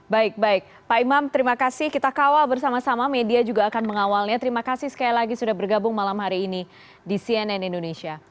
baik baik pak imam terima kasih kita kawal bersama sama media juga akan mengawalnya terima kasih sekali lagi sudah bergabung malam hari ini di cnn indonesia